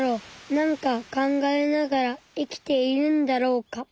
なんか考えながら生きているんだろうか。